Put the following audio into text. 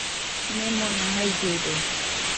Nemona jaillude.